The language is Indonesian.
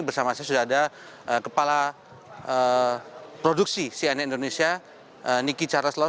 bersama saya sudah ada kepala produksi cna indonesia niki charles law